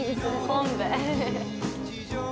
昆布。